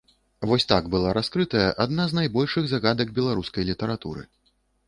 Вось так была раскрытая адна з найбольшых загадак беларускай літаратуры.